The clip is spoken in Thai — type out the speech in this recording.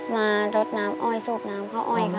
รดน้ำอ้อยสูบน้ำข้าวอ้อยค่ะ